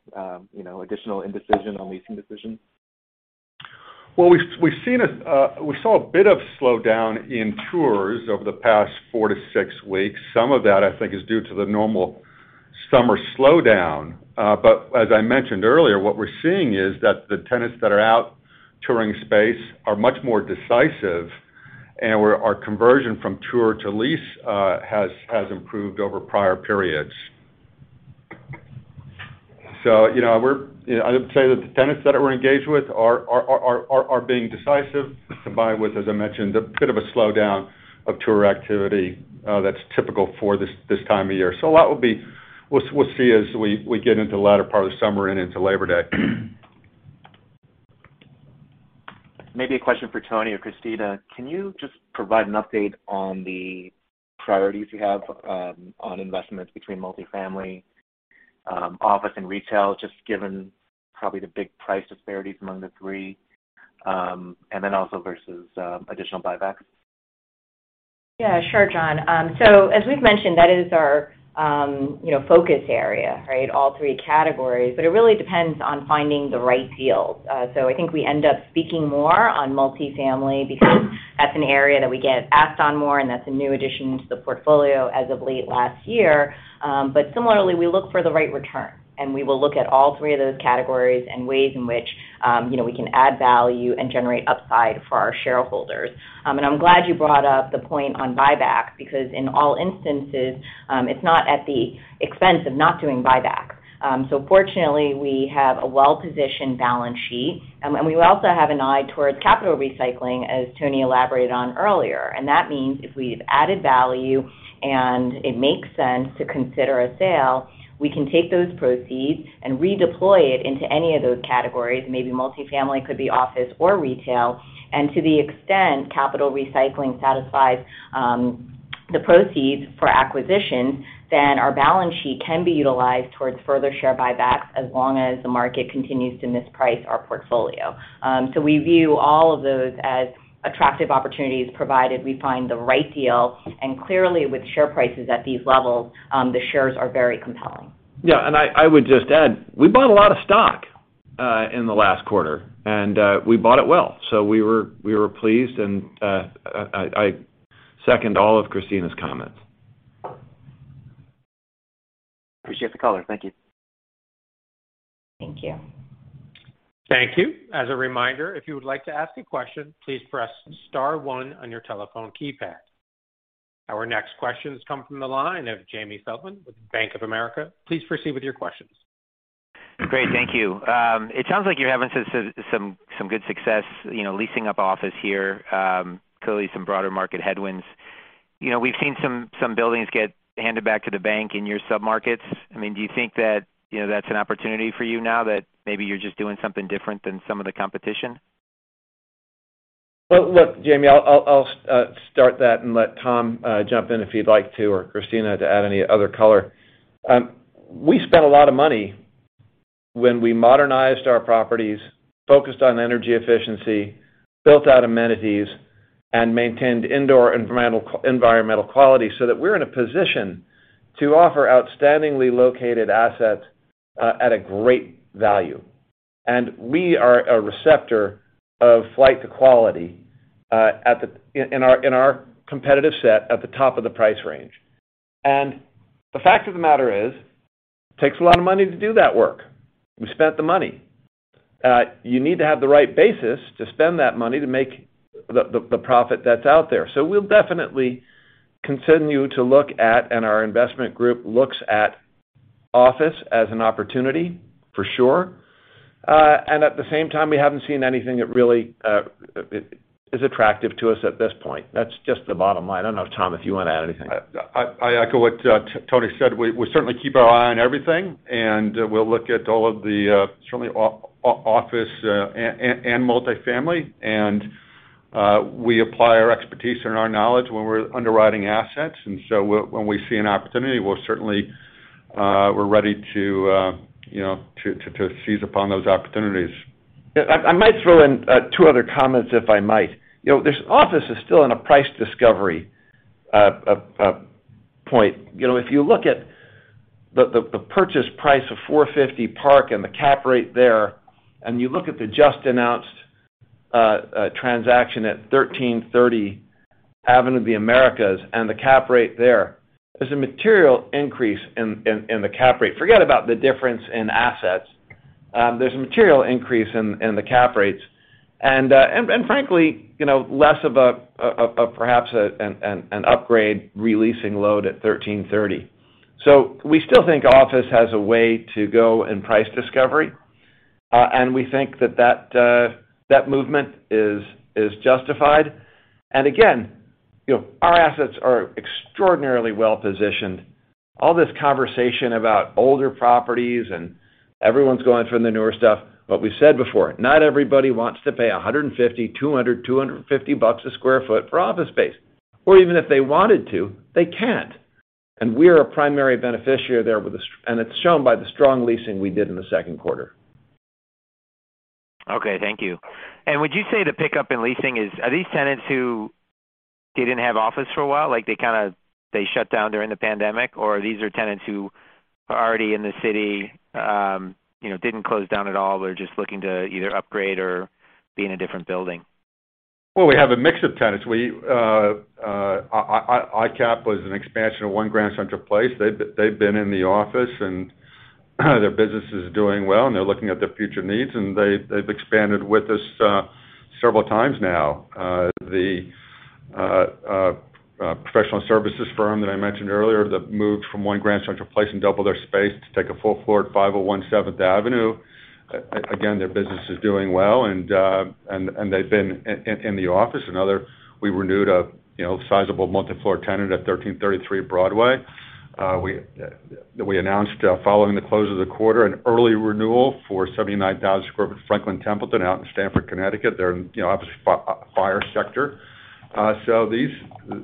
you know, additional indecision on leasing decisions? Well, we've seen a bit of slowdown in tours over the past four-six weeks. Some of that, I think, is due to the normal summer slowdown. But as I mentioned earlier, what we're seeing is that the tenants that are out touring space are much more decisive, and our conversion from tour to lease has improved over prior periods. You know, I would say that the tenants that we're engaged with are being decisive, combined with, as I mentioned, a bit of a slowdown of tour activity, that's typical for this time of year. A lot will be. We'll see as we get into the latter part of the summer and into Labor Day. Maybe a question for Tony or Christina. Can you just provide an update on the priorities you have, on investments between multifamily, office and retail, just given probably the big price disparities among the three, and then also versus, additional buybacks? Yeah, sure, John. As we've mentioned, that is our, you know, focus area, right? All three categories. It really depends on finding the right deals. I think we end up speaking more on multifamily because that's an area that we get asked on more, and that's a new addition into the portfolio as of late last year. Similarly, we look for the right return, and we will look at all three of those categories and ways in which, you know, we can add value and generate upside for our shareholders. I'm glad you brought up the point on buyback because in all instances, it's not at the expense of not doing buyback. Fortunately, we have a well-positioned balance sheet. We also have an eye towards capital recycling, as Tony elaborated on earlier. That means if we've added value and it makes sense to consider a sale, we can take those proceeds and redeploy it into any of those categories, maybe multifamily, could be office or retail. To the extent capital recycling satisfies the proceeds for acquisition, then our balance sheet can be utilized towards further share buybacks as long as the market continues to misprice our portfolio. We view all of those as attractive opportunities provided we find the right deal. Clearly, with share prices at these levels, the shares are very compelling. Yeah. I would just add, we bought a lot of stock in the last quarter, and we bought it well. We were pleased, and I second all of Christina's comments. Appreciate the color. Thank you. Thank you. Thank you. As a reminder, if you would like to ask a question, please press star one on your telephone keypad. Our next question comes from the line of Jamie Feldman with Bank of America. Please proceed with your questions. Great. Thank you. It sounds like you're having some good success, you know, leasing up office here, clearly some broader market headwinds. You know, we've seen some buildings get handed back to the bank in your submarkets. I mean, do you think that, you know, that's an opportunity for you now that maybe you're just doing something different than some of the competition? Well, look, Jamie, I'll start that and let Tom jump in if he'd like to, or Christina to add any other color. We spent a lot of money when we modernized our properties, focused on energy efficiency, built out amenities, and maintained indoor environmental quality, so that we're in a position to offer outstandingly located assets at a great value. We are a receptor of flight to quality in our competitive set at the top of the price range. The fact of the matter is, takes a lot of money to do that work. We spent the money. You need to have the right basis to spend that money to make the profit that's out there. We'll definitely continue to look at, and our investment group looks at office as an opportunity, for sure. At the same time, we haven't seen anything that really is attractive to us at this point. That's just the bottom line. I don't know if, Tom, you want to add anything. I echo what Tony said. We certainly keep our eye on everything, and we'll look at all of the certainly office and multifamily. We apply our expertise and our knowledge when we're underwriting assets. When we see an opportunity, we're ready to, you know, to seize upon those opportunities. I might throw in two other comments, if I might. You know, this office is still in a price discovery point. You know, if you look at the purchase price of 450 Park and the cap rate there, and you look at the just announced transaction at 1330 Avenue of the Americas and the cap rate there's a material increase in the cap rate. Forget about the difference in assets. There's a material increase in the cap rates. Frankly, you know, less of a perhaps an upgrade releasing load at 1330. We still think office has a way to go in price discovery. We think that movement is justified. Again, you know, our assets are extraordinarily well-positioned. All this conversation about older properties and everyone's going for the newer stuff, what we said before, not everybody wants to pay $150, $200, $250 a sq ft for office space. Or even if they wanted to, they can't. We're a primary beneficiary there and it's shown by the strong leasing we did in the second quarter. Okay, thank you. Would you say the pickup in leasing, are these tenants who didn't have office for a while? Like, they kinda, they shut down during the pandemic, or these are tenants who are already in the city, you know, didn't close down at all. They're just looking to either upgrade or be in a different building. Well, we have a mix of tenants. iCapital was an expansion of One Grand Central Place. They've been in the office, and their business is doing well, and they're looking at their future needs, and they've expanded with us several times now. The professional services firm that I mentioned earlier that moved from One Grand Central Place and doubled their space to take a full floor at 501 Seventh Avenue. Again, their business is doing well, and they've been in the office. We renewed a, you know, sizable multi-floor tenant at 1,333 Broadway. We announced following the close of the quarter an early renewal for 79,000 sq ft Franklin Templeton out in Stamford, Connecticut. They're in, you know, obviously, financial sector.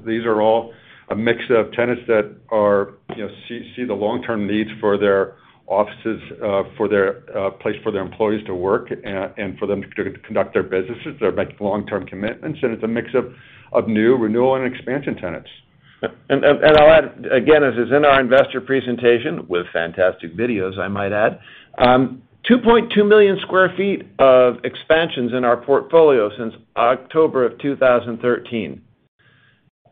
These are all a mix of tenants that are, you know, see the long-term needs for their offices, for their place for their employees to work, and for them to conduct their businesses, they're making long-term commitments. It's a mix of new, renewal, and expansion tenants. I'll add again, as is in our investor presentation, with fantastic videos, I might add, 2.2 million sq ft of expansions in our portfolio since October of 2013.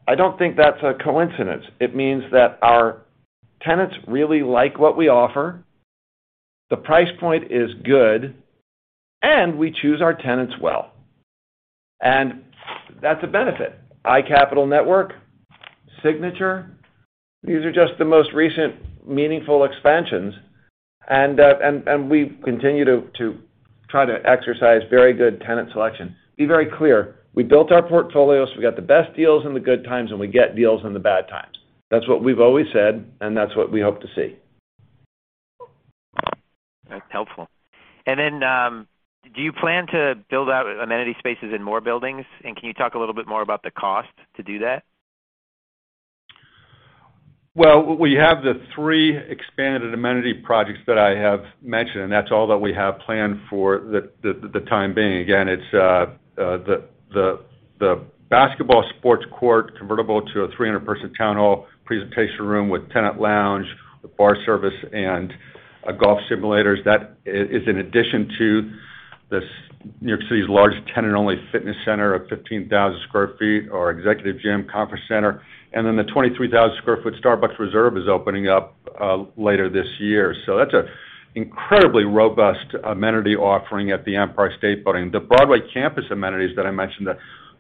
I don't think that's a coincidence. It means that our tenants really like what we offer, the price point is good, and we choose our tenants well. That's a benefit. iCapital Network, Signature, these are just the most recent meaningful expansions, and we continue to try to exercise very good tenant selection. Be very clear. We built our portfolios. We got the best deals in the good times, and we get deals in the bad times. That's what we've always said, and that's what we hope to see. That's helpful. Do you plan to build out amenity spaces in more buildings? Can you talk a little bit more about the cost to do that? Well, we have the three expanded amenity projects that I have mentioned, and that's all that we have planned for the time being. Again, it's the basketball sports court convertible to a 300-person town hall presentation room with tenant lounge, with bar service and golf simulators. That is in addition to this New York City's largest tenant-only fitness center of 15,000 sq ft, our executive gym conference center, and then the 23,000 sq ft Starbucks Reserve is opening up later this year. That's an incredibly robust amenity offering at the Empire State Building. The Broadway campus amenities that I mentioned,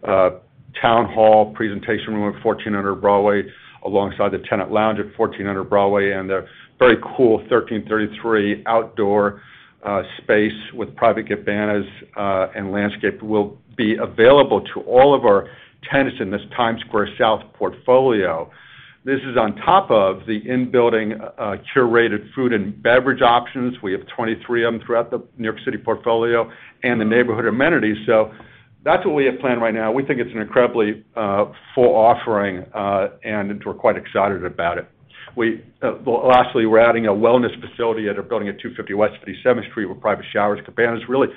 the town hall presentation room at 1400 Broadway, alongside the tenant lounge at 1400 Broadway, and the very cool 1333 outdoor space with private cabanas and landscape will be available to all of our tenants in this Times Square South portfolio. This is on top of the in-building curated food and beverage options. We have 23 of them throughout the New York City portfolio and the neighborhood amenities. That's what we have planned right now. We think it's an incredibly full offering, and we're quite excited about it. Lastly, we're adding a wellness facility at a building at 250 West 57th Street with private showers, cabanas, really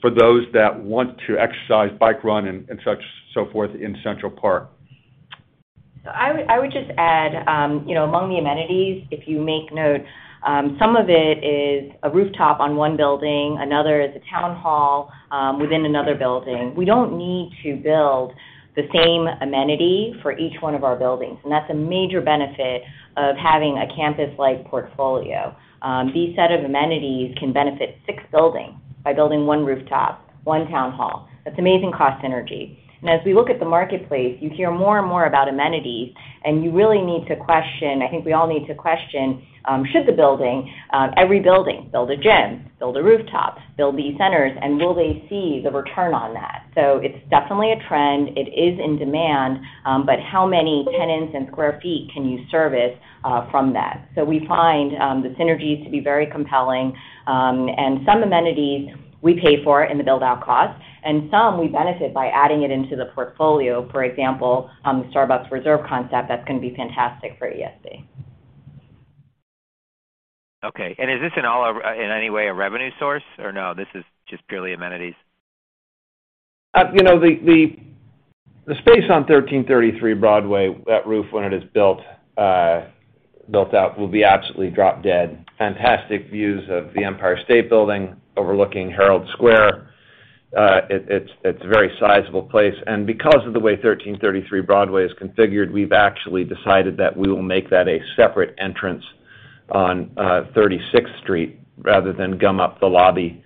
for those that want to exercise, bike, run, and such so forth in Central Park. I would just add, you know, among the amenities, if you make note, some of it is a rooftop on one building, another is a town hall, within another building. We don't need to build the same amenity for each one of our buildings, and that's a major benefit of having a campus-like portfolio. These set of amenities can benefit six buildings by building one rooftop, one town hall. That's amazing cost synergy. As we look at the marketplace, you hear more and more about amenities, and you really need to question. I think we all need to question, should the building, every building build a gym, build a rooftop, build these centers, and will they see the return on that? It's definitely a trend. It is in demand. How many tenants and square feet can you service from that? We find the synergies to be very compelling. Some amenities we pay for in the build-out cost, and some we benefit by adding it into the portfolio. For example, the Starbucks Reserve concept, that's going to be fantastic for ESB. Okay. Is this in all or in any way a revenue source, or no, this is just purely amenities? You know, the space on 1333 Broadway, that roof, when it is built out, will be absolutely drop-dead fantastic views of the Empire State Building overlooking Herald Square. It's a very sizable place, and because of the way 1333 Broadway is configured, we've actually decided that we will make that a separate entrance on 36th Street rather than gum up the lobby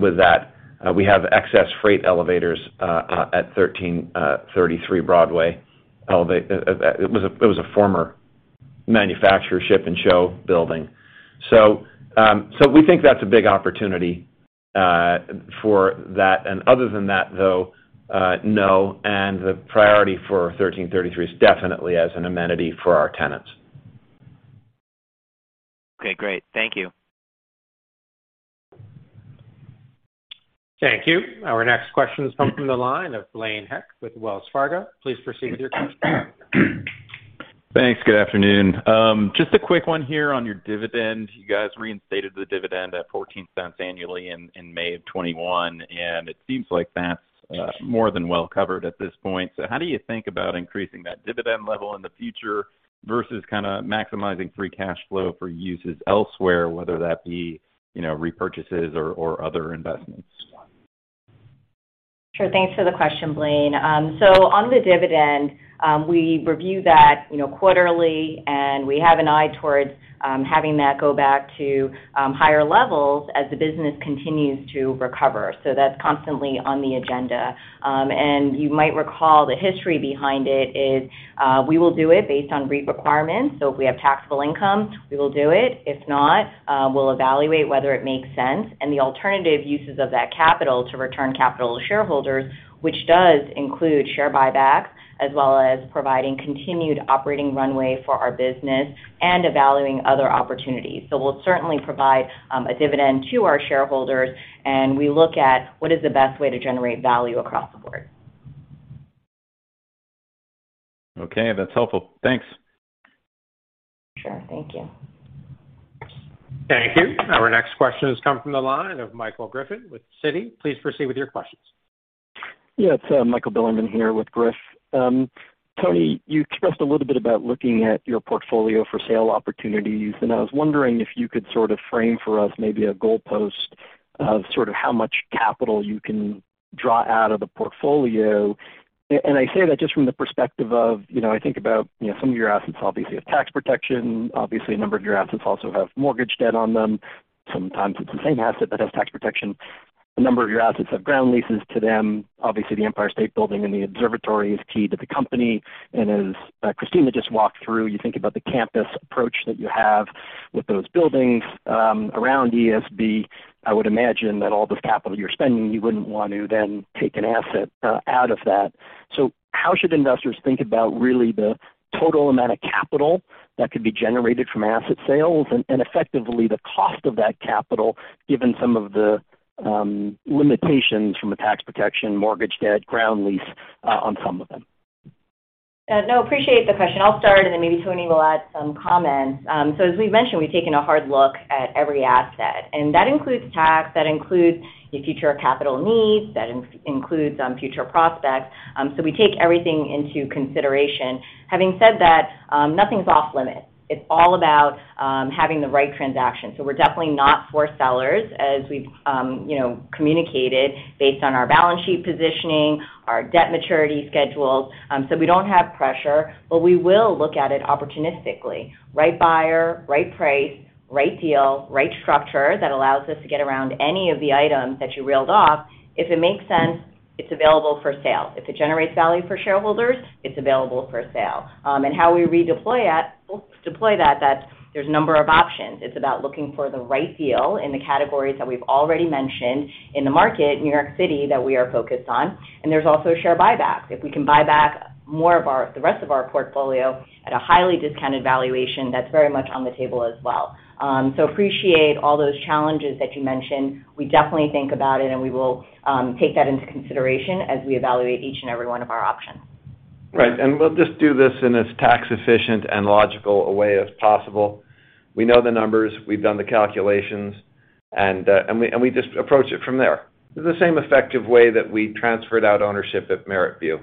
with that. We have excess freight elevators at 1333 Broadway. It was a former manufacturing, shipping and showroom building. So we think that's a big opportunity for that. Other than that, though, no, the priority for 1333 is definitely as an amenity for our tenants. Okay, great. Thank you. Thank you. Our next question is coming from the line of Blaine Heck with Wells Fargo. Please proceed with your question. Thanks. Good afternoon. Just a quick one here on your dividend. You guys reinstated the dividend at $0.14 annually in May of 2021, and it seems like that's more than well covered at this point. How do you think about increasing that dividend level in the future versus kind of maximizing free cash flow for uses elsewhere, whether that be, you know, repurchases or other investments? Sure. Thanks for the question, Blaine. On the dividend, we review that, you know, quarterly, and we have an eye towards having that go back to higher levels as the business continues to recover. That's constantly on the agenda. You might recall the history behind it is, we will do it based on REIT requirements. If we have taxable income, we will do it. If not, we'll evaluate whether it makes sense and the alternative uses of that capital to return capital to shareholders, which does include share buybacks, as well as providing continued operating runway for our business and evaluating other opportunities. We'll certainly provide a dividend to our shareholders, and we look at what is the best way to generate value across the board. Okay. That's helpful. Thanks. Sure. Thank you. Thank you. Our next question has come from the line of Michael Griffin with Citi. Please proceed with your questions. Yeah, it's Michael Bilerman here with Griff. Tony, you expressed a little bit about looking at your portfolio for sale opportunities, and I was wondering if you could sort of frame for us maybe a goalpost of sort of how much capital you can draw out of the portfolio. I say that just from the perspective of, you know, I think about, you know, some of your assets obviously have tax protection. Obviously, a number of your assets also have mortgage debt on them. Sometimes it's the same asset that has tax protection. A number of your assets have ground leases to them. Obviously, the Empire State Building and the observatory is key to the company. As Christina just walked through, you think about the campus approach that you have with those buildings around ESB. I would imagine that all this capital you're spending, you wouldn't want to then take an asset out of that. How should investors think about really the total amount of capital that could be generated from asset sales and effectively the cost of that capital, given some of the limitations from a tax protection, mortgage debt, ground lease on some of them? No, appreciate the question. I'll start, and then maybe Tony will add some comments. As we've mentioned, we've taken a hard look at every asset, and that includes tax, that includes the future capital needs, includes future prospects. We take everything into consideration. Having said that, nothing's off-limit. It's all about having the right transaction. We're definitely not forced sellers, as we've, you know, communicated based on our balance sheet positioning, our debt maturity schedules, so we don't have pressure. We will look at it opportunistically. Right buyer, right price, right deal, right structure that allows us to get around any of the items that you reeled off. If it makes sense, it's available for sale. If it generates value for shareholders, it's available for sale. There's a number of options. It's about looking for the right deal in the categories that we've already mentioned in the market, New York City, that we are focused on, and there's also share buybacks. If we can buy back more of the rest of our portfolio at a highly discounted valuation, that's very much on the table as well. Appreciate all those challenges that you mentioned. We definitely think about it, and we will take that into consideration as we evaluate each and every one of our options. Right. We'll just do this in as tax efficient and logical a way as possible. We know the numbers. We've done the calculations. We just approach it from there. The same effective way that we transferred out ownership at MerrittView.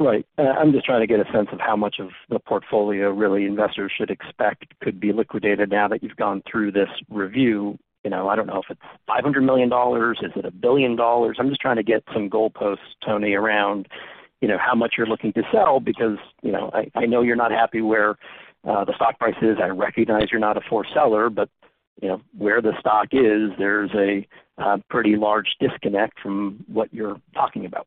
Right. I'm just trying to get a sense of how much of the portfolio really investors should expect could be liquidated now that you've gone through this review. You know, I don't know if it's $500 million. Is it $1 billion? I'm just trying to get some goalposts, Tony, around, you know, how much you're looking to sell because, you know, I know you're not happy where the stock price is. I recognize you're not a forced seller, but, you know, where the stock is, there's a pretty large disconnect from what you're talking about.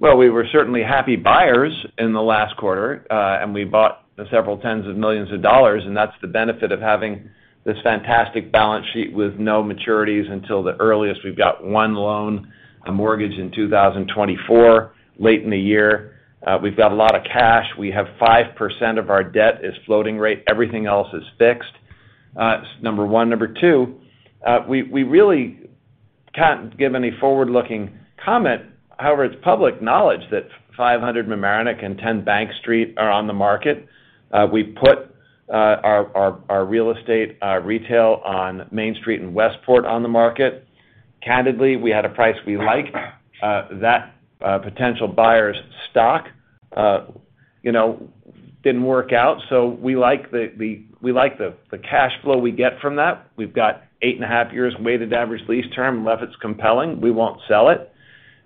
Well, we were certainly happy buyers in the last quarter, and we bought several tens of millions of dollars, and that's the benefit of having this fantastic balance sheet with no maturities until the earliest. We've got one loan, a mortgage in 2024, late in the year. We've got a lot of cash. We have 5% of our debt is floating rate. Everything else is fixed. Number one. Number two, we really can't give any forward-looking comment. However, it's public knowledge that 500 Mamaroneck and 10 Bank Street are on the market. We've put our real estate retail on Main Street and Westport on the market. Candidly, we had a price we like. That potential buyer's stock, you know, didn't work out, so we like the cash flow we get from that. We've got eight and a half years weighted average lease term. Unless it's compelling, we won't sell it.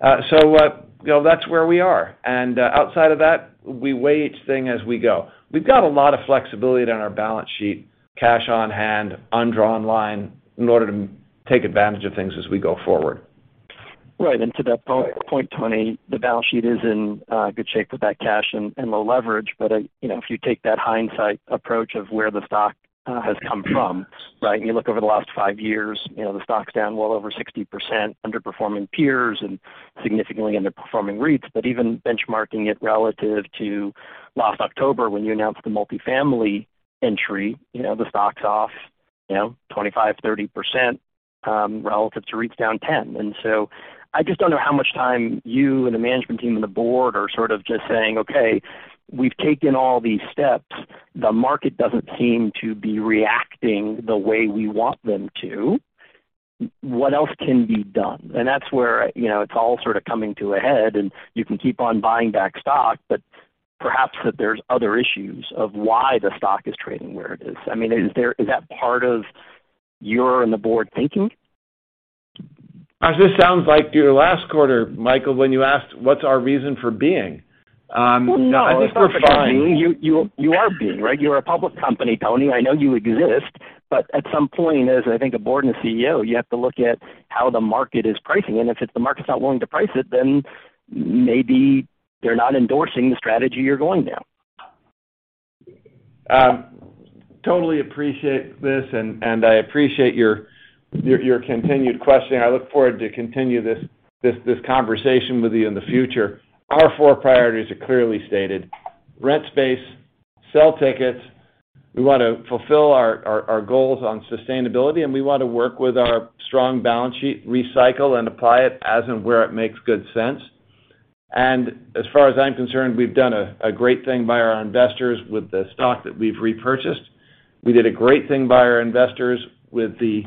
You know, that's where we are. Outside of that, we weigh each thing as we go. We've got a lot of flexibility on our balance sheet, cash on hand, undrawn line, in order to take advantage of things as we go forward. Right. To that point, Tony, the balance sheet is in good shape with that cash and low leverage. You know, if you take that hindsight approach of where the stock has come from, right? You look over the last five years. You know, the stock's down well over 60% underperforming peers and significantly underperforming REITs. Even benchmarking it relative to last October when you announced the multifamily entry, you know, the stock's off 25%, 30% relative to REITs down 10%. I just don't know how much time you and the management team and the board are sort of just saying, "Okay, we've taken all these steps. The market doesn't seem to be reacting the way we want them to. What else can be done?" That's where, you know, it's all sort of coming to a head, and you can keep on buying back stock, but perhaps that there's other issues of why the stock is trading where it is. I mean, is that part of your and the board thinking? As this sounds like your last quarter, Michael, when you asked what's our reason for being? No, I think we're fine. Well, no, it's not about being. You are being, right? You're a public company, Tony. I know you exist. At some point, as I think a board and a CEO, you have to look at how the market is pricing. If the market's not willing to price it, then maybe they're not endorsing the strategy you're going now. Totally appreciate this, and I appreciate your continued questioning. I look forward to continue this conversation with you in the future. Our four priorities are clearly stated. Rent space, sell tickets. We wanna fulfill our goals on sustainability, and we wanna work with our strong balance sheet, recycle and apply it as and where it makes good sense. As far as I'm concerned, we've done a great thing by our investors with the stock that we've repurchased. We did a great thing by our investors with the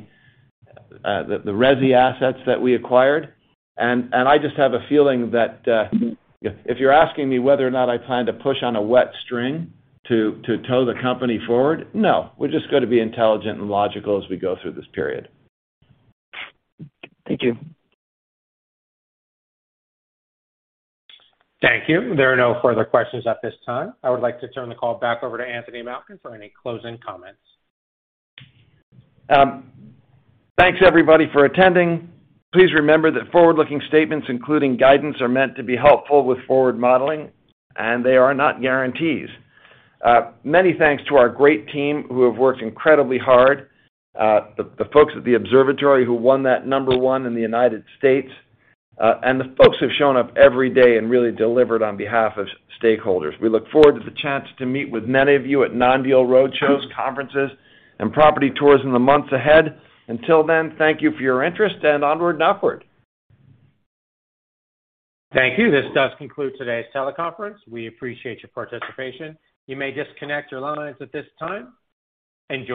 resi assets that we acquired. I just have a feeling that if you're asking me whether or not I plan to push on a wet string to tow the company forward, no. We're just gonna be intelligent and logical as we go through this period. Thank you. Thank you. There are no further questions at this time. I would like to turn the call back over to Anthony Malkin for any closing comments. Thanks everybody for attending. Please remember that forward-looking statements, including guidance, are meant to be helpful with forward modeling, and they are not guarantees. Many thanks to our great team who have worked incredibly hard. The folks at the Observatory who won that number one in the United States, and the folks who've shown up every day and really delivered on behalf of stakeholders. We look forward to the chance to meet with many of you at non-deal road shows, conferences, and property tours in the months ahead. Until then, thank you for your interest and onward and upward. Thank you. This does conclude today's teleconference. We appreciate your participation. You may disconnect your lines at this time. Enjoy your day.